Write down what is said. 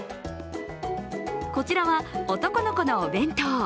こちらは男の子のお弁当。